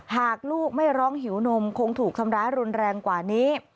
หากลูกไม่ร้องหิวนมคงถูกทำร้ายรุนแรงกว่านี้